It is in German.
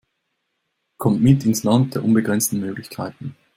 Kommt mit ins Land der unbegrenzten Möglichkeiten!